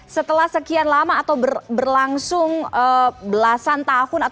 setelah sekian lama atau berlangsung belasan tahun